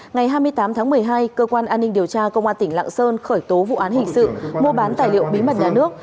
ngày hai mươi tám tháng một mươi hai cơ quan an ninh điều tra công an tỉnh lạng sơn khởi tố vụ án hình sự mua bán tài liệu bí mật nhà nước